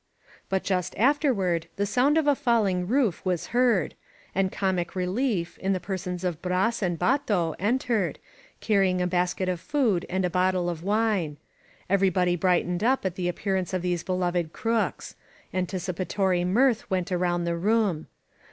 But just afterward the sound of a falling roof was heard, and Comic Relief, in the persons of Bras and BatOy entered, carrying a basket of food and a bottle of wine. Everybody brightened up at the appearance of these beloved crooks; anticipatory mirth went around the room.